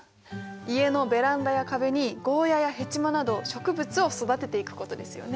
家のベランダや壁にゴーヤやヘチマなど植物を育てていくことですよね。